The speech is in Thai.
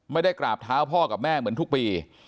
ไม่ได้กราบเท้าพ่อกับแม่เหมือนทุกปี